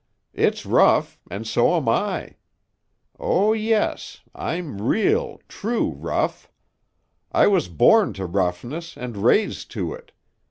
"It's rough and so am I. Oh, yes, I'm real, true rough. I was born to roughness and raised to it.